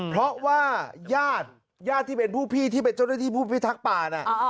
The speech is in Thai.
เพราะว่ายาดที่เป็นผู้พี่ที่เป็นเจ้าที่ผู้พิทักป่าน่ะ